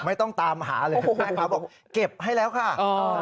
ไม่ต้องตามหาเลยแม่ค้าบอกเก็บให้แล้วค่ะ